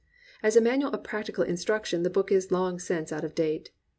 As a manual of practical instruction the book is long since out of date.